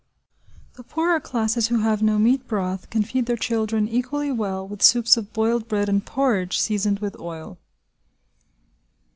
The poorer classes who have no meat broth can feed their children equally well with soups of boiled bread and porridge seasoned with oil.